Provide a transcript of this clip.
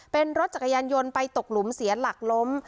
เป็นรถจักรยานยนต์ไปตกหลุมเสียหลักล้ม